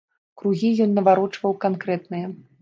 Кругі ён наварочваў канкрэтныя.